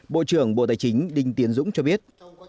bộ trưởng bộ tài chính đinh tiến dũng cho biết